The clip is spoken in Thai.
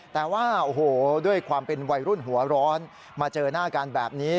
แต่ว่าโอ้โหด้วยความเป็นวัยรุ่นหัวร้อนมาเจอหน้ากันแบบนี้